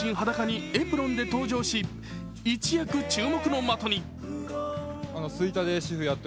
裸にエプロンで登場し一躍注目の的に。